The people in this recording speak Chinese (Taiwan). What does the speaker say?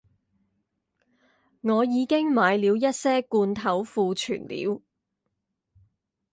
我已經買了一些罐頭庫存了